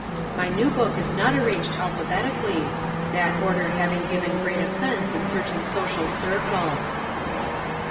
My new book is not arranged alphabetically, that order having given great offence in certain social circles.